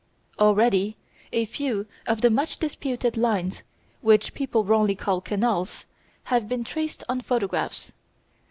Already a few of the much disputed lines, which people wrongly call "canals," have been traced on photographs.